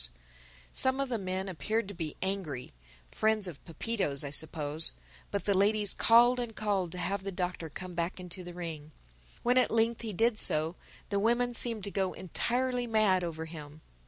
Some of the men appeared to be angry (friends of Pepito's, I suppose); but the ladies called and called to have the Doctor come back into the ring. When at length he did so, the women seemed to go entirely mad over him.